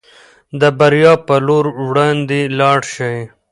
د بریا په لور وړاندې لاړ شئ.